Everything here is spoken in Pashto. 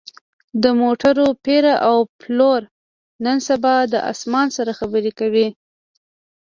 د موټرو پېر او پلور نن سبا د اسمان سره خبرې کوي